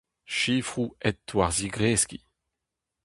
Sifroù aet war zigreskiñ.